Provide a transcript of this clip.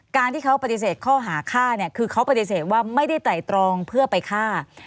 การที่เขาปฏิเสธข้อหาฆ่าเนี่ยคือเขาปฏิเสธว่าไม่ได้ไตรตรองเพื่อไปฆ่า